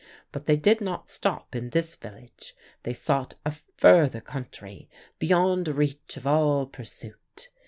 But they did not stop in this village; they sought a further country, beyond reach of all pursuit.